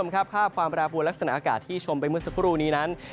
ความประดาบหัวลักษณะอากาศที่ชมไปเมื่อสักครู่นี้นั้น